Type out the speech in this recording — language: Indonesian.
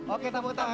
oke tepuk tangan